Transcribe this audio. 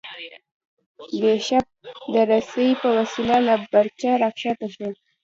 بیشپ د رسۍ په وسیله له برجه راکښته شو.